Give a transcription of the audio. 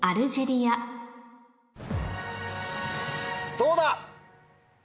どうだ？